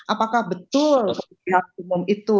apakah betul pihak umum itu